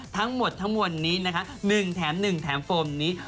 ทั้งหมดทั้งมวลนี้นะคะ๑แถม๑แถมโฟมนี้